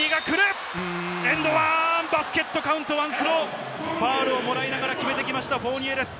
エンドワン、バスケットカウントワンスロー、ファウルをもらいながら決めてきましたフォーニエです。